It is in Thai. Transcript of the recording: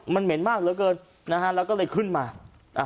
มันเหม็นมากเหลือเกินนะฮะแล้วก็เลยขึ้นมาอ่า